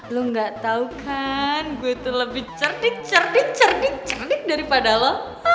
lo gak tau kan gue itu lebih cerdik cerdik cerdik cernik daripada lo